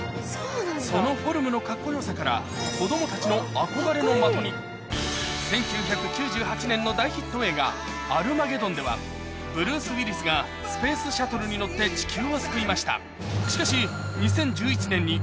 そのフォルムのカッコよさから子供たちの憧れの的に大ヒット映画ではブルース・ウィリスがスペースシャトルに乗って地球を救いました